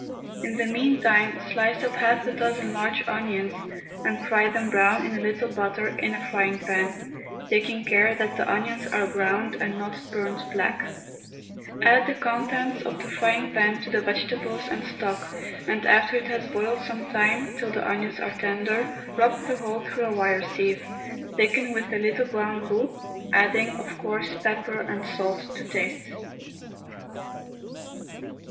In the meantime slice up half a dozen large onions and fry them brown in a little butter, in a frying pan, taking care that the onions are browned and not burnt black; add the contents of the frying pan to the vegetables and stock, and after it has boiled some time, till the onions are tender, rub the whole through a wire sieve, thicken with a little brown roux, adding, of course, pepper and salt to taste.